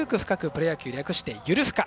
プロ野球」略して「ゆるふか」。